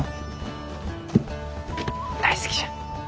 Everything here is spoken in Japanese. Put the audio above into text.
大好きじゃ。